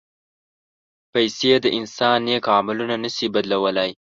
پېسې د انسان نیک عملونه نه شي بدلولی.